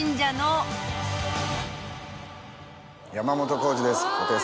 山本耕史です。